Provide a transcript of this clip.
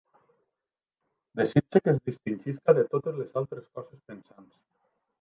Desitge que es distingisca de totes les altres coses pensants.